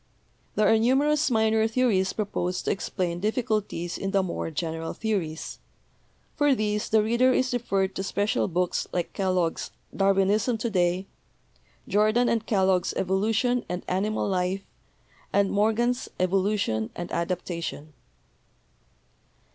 There are numerous minor theories proposed to explain difficulties in the more general theories. For these the reader is referred to special books like Kellogg's 'Darwin ism To day,' Jordan and Kellogg's 'Evolution and Animal Life' and Morgan's 'Evolution and Adaptation.'